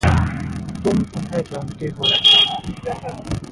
तुम उन्हें जानते हो।